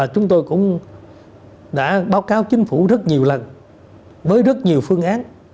chúng tôi cũng đã báo cáo chính phủ rất nhiều lần với rất nhiều phương án